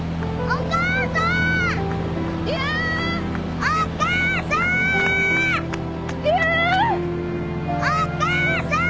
お母さーん！